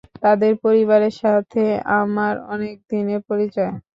তাদের পরিবারের সাথে আমার অনেকদিনের পরিচয়।